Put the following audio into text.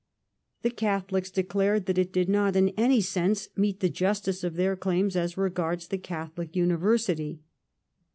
The Catholics declared that it did not in any sense meet the justice of their claims as regards the Catholic university.